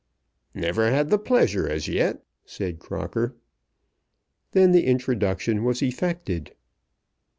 "Never had the pleasure as yet," said Crocker. Then the introduction was effected.